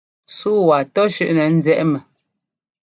Súu waa tɔ́ shʉ́ʼnɛ njiɛʼ mɔ.